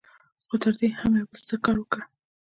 خو تر دې يې هم يو بل ستر کار وکړ.